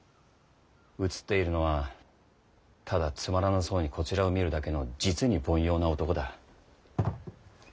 映っているのはただつまらなそうにこちらを見るだけの実に凡庸な男だ。